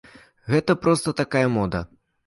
Гэта проста такая мода.